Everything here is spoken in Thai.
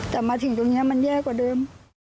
แต่มาถึงตรงนี้มันแย่กว่าเดิม